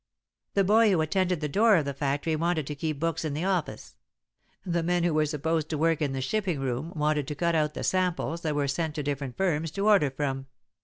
"The boy who attended to the door of the factory wanted to keep books in the office; the men who were supposed to work in the shipping room wanted to cut out the samples that were sent to different firms to order from.